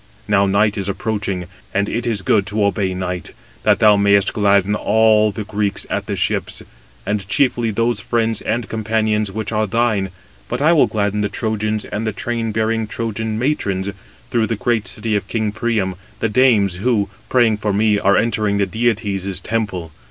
Now night is approaching, and it is good to obey night, that thou mayest gladden all the Greeks at the ships, and chiefly those friends and companions which are thine; but I will gladden the Trojans and the train bearing Trojan matrons, through the great city of king Priam, the dames who, praying for me, are entering the deities' temple.